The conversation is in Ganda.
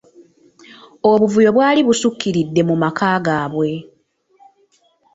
Obuvuyo bwali busukkiridde mu maka gaabwe.